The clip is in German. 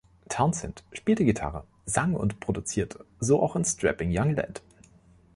Townsend spielte Gitarre, sang und produzierte, so auch in Strapping Young Lad.